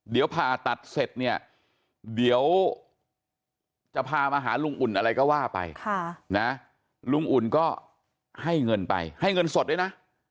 เดี๋ยวผ่าตัดเสร็จเนี่ยเดี๋ยวจะพามาหาลุงอุ่นอะไรก็ว่าไปลุงอุ่นก็ให้เงินไปให้เงินสดด้วยนะ